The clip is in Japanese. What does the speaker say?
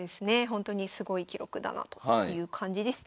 ほんとにすごい記録だなという感じです。